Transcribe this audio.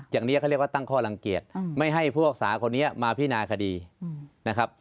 อย่างนี้เขาเรียกว่าตั้งข้อลังเกียจไม่ให้ผู้รักษาคนนี้มาพินาคดีนะครับ